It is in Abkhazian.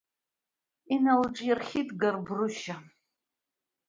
Иналҿаирхьит Габрушьа.